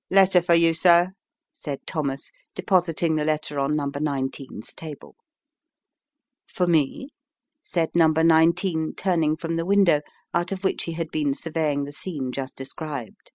" Letter for you, sir," said Thomas, depositing the letter on number nineteen's table. " For me ?" said number nineteen, turning from the window, out of which he had been surveying the scene just described.